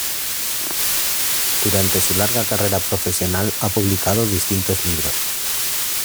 Durante su larga carrera profesional ha publicado distintos libros.